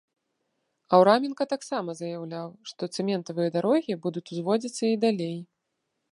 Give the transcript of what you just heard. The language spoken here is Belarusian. Аўраменка таксама заяўляў, што цэментавыя дарогі будуць узводзіцца і далей.